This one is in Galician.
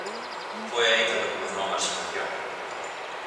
Foi aí cando comezou a marxinación.